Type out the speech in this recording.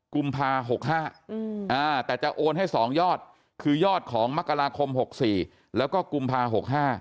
กุมภา๖๕แต่จะโอนให้๒ยอดคือยอดของมกราคม๖๔แล้วก็กุมภา๖๕